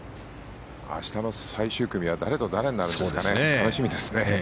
明日の最終組は誰と誰になるんですかね。